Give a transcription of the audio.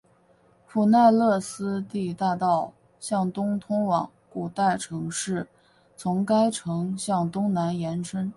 普奈勒斯蒂大道向东通往古代城市从该城向东南延伸。